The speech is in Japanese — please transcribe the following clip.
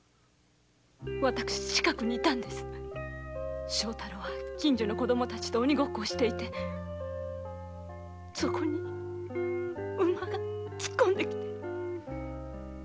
私近くにいました正太郎は近所の子と鬼ゴッコをしていてそこに馬が突っ込んで来て。